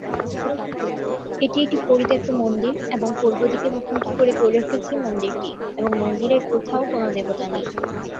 এটি একটি পরিত্যক্ত মন্দির এবং পূর্ব দিকে মুখোমুখি করে গড়ে উঠেছে মন্দিরটি এবং মন্দিরের কোথাও কোন দেবতা নেই।